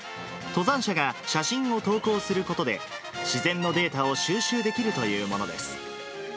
登山者が写真を投稿することで、自然のデータを収集できるというものです。